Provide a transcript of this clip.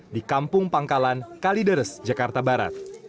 di kampung pangkalan kalideres jakarta barat